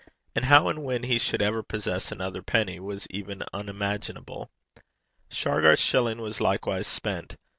And how and when he should ever possess another penny was even unimaginable. Shargar's shilling was likewise spent.